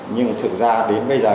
nhưng thực ra đến bây giờ